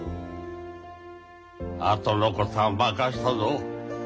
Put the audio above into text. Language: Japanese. あとのことは任したぞ。